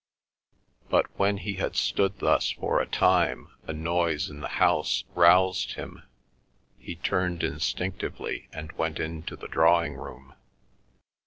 But when he had stood thus for a time a noise in the house roused him; he turned instinctively and went into the drawing room.